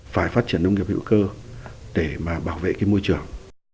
phải phát triển nông nghiệp hữu cơ để bảo vệ môi trường